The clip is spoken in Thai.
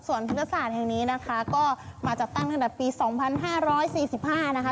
ส่วนพุทธศาสตร์แห่งนี้นะคะก็มาจัดตั้งตั้งแต่ปี๒๕๔๕นะคะ